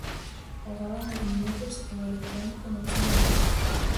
Pasaban os minutos e o electrónico non se movía.